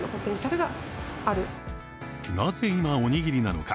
なぜ今、おにぎりなのか。